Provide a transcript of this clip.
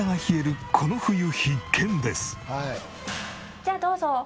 じゃあどうぞ。